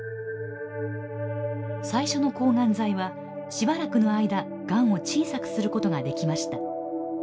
最初の抗がん剤はしばらくの間がんを小さくすることができました。